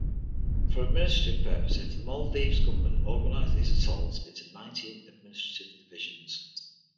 For administrative purposes the Maldives government organized these atolls into nineteen administrative divisions.